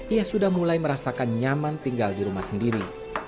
ia sudah mulai merasakan nyaman tinggal di rumah sendiri